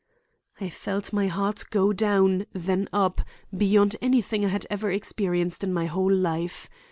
I felt my heart go down, then up, up, beyond anything I had ever experienced in my whole life.